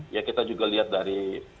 ya kita juga lihat dari